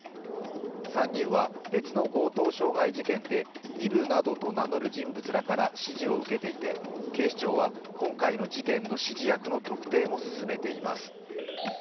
３人は別の強盗傷害事件でイブなどと名乗る人物らから指示を受けていて警視庁は今回の事件の指示役の特定も進めています。